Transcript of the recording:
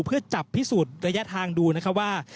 เพื่อจับพิสูจน์ระยะทางดูนะคะว่า